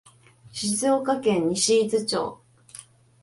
静岡県西伊豆町